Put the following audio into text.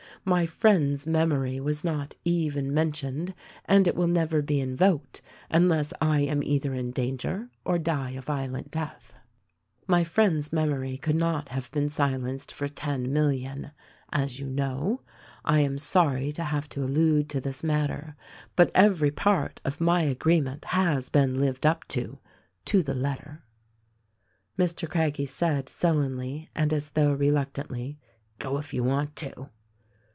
My friend's memory was not even men tioned, and it will never be invoked unless I am either in danger or die a violent death. My friend's memory could 204 THE RECORDING ANGEL not have been silenced for ten million, — as you know. I am sorry to have to allude to this matter; but every part of my agreement has been lived up to, — to the letter." Mr. Craggie said sullenly, and as though reluctantly, "Go, if you want to."